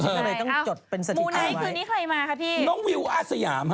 ใช่อ้าวมูลไหนคืนนี้ใครมาคะพี่น้องวิวอสยามฮะ